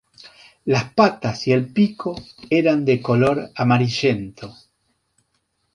Las patas y el pico eran de color amarillento.